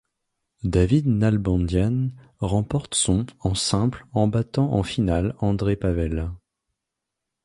David Nalbandian remporte son en simple en battant en finale Andrei Pavel.